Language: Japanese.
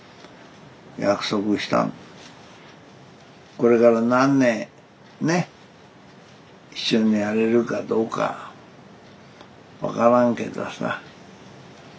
これから何年ね一緒にやれるかどうか分からんけどさ。